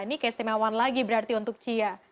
ini kayak setemewan lagi berarti untuk cia